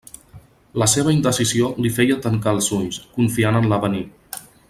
La seua indecisió li feia tancar els ulls, confiant en l'avenir.